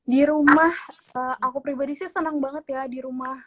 di rumah aku pribadi sih senang banget ya di rumah